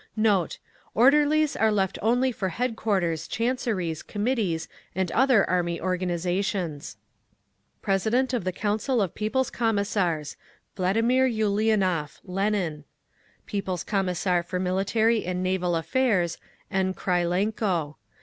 Note.—Orderlies are left only for headquarters, chanceries, Committees and other Army organisations. President of the Council of People's Commissars, VL. ULIANOV (LENIN). People's Commissar for Military and Naval Affairs, N. KRYLENKO.